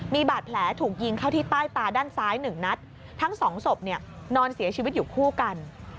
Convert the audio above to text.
มีบาดแผลถูกยิงเข้าที่ใต้ตาด้านซ้ายหนึ่งนัดทั้งสองศพเนี่ยนอนเสียชีวิตอยู่คู่กัน